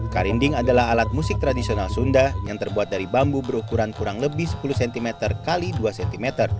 karinding adalah alat musik tradisional sunda yang terbuat dari bambu berukuran kurang lebih sepuluh cm x dua cm